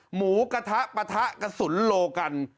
หมูกระทะปะทะกระสุนโลกัน